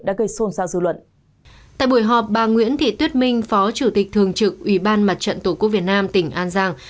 tại buổi họp bà nguyễn thị tuyết minh phó chủ tịch thường trực ủy ban mặt trận tổ quốc việt nam tỉnh an giang